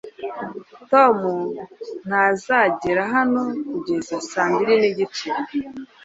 tom ntazagera hano kugeza saa mbiri n'igice